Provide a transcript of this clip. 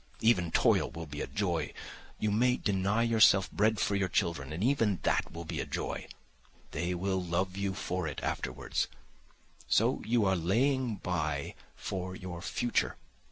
Even toil will be a joy, you may deny yourself bread for your children and even that will be a joy, They will love you for it afterwards; so you are laying by for your future.